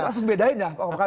pasti dibedain ya